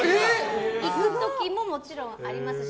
行く時ももちろんありますし。